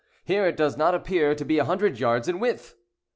"Here, it does not appear to be a hundred yards in width!"